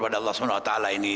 pada allah swt ini